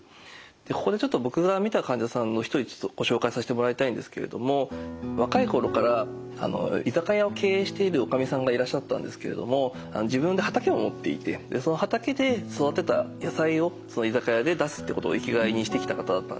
ここでちょっと僕が診た患者さんの一人ご紹介させてもらいたいんですけれども若い頃から居酒屋を経営しているおかみさんがいらっしゃったんですけれども自分で畑を持っていてその畑で育てた野菜をその居酒屋で出すってことを生きがいにしてきた方だったんですね。